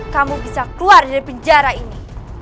kamu bisa keluar dari penjara ini